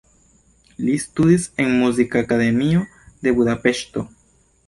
Li studis en Muzikakademio de Budapeŝto.